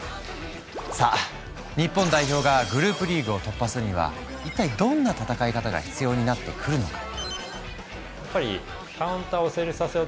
さあ日本代表がグループリーグを突破するには一体どんな戦い方が必要になってくるのか？